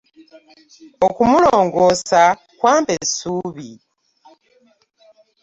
Okumulongoosa kwampa essuubi.